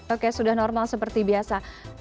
oke sudah normal seperti biasa